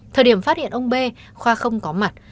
thời điểm phát hiện ông bê khoa không có mặt